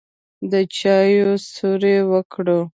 د چايو سور يې وکړ.